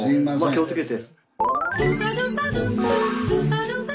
気をつけて。